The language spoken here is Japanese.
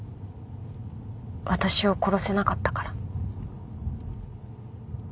私を殺せなかったから。